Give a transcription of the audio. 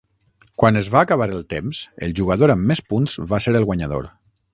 Quan es va acabar el temps, el jugador amb més punts va ser el guanyador.